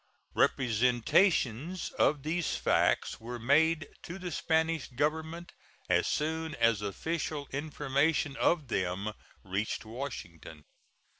Representations of these facts were made to the Spanish Government as soon as official information of them reached Washington.